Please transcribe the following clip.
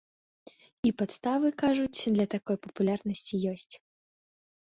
І падставы, кажуць, для такой папулярнасці ёсць.